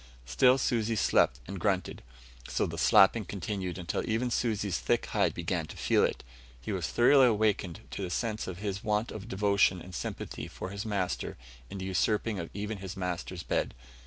Still Susi slept and grunted; so the slapping continued, until even Susi's thick hide began to feel it, and he was thoroughly awakened to the sense of his want of devotion and sympathy for his master in the usurping of even his master's bed.